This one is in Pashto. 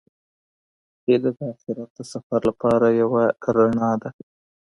هیله د اخیرت د سفر لپاره یو رڼا ده.